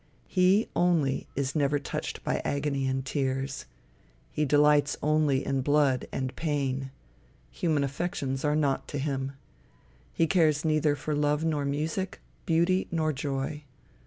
He, only, is never touched by agony and tears. He delights only in blood and pain. Human affections are naught to him. He cares neither for love nor music, beauty nor joy.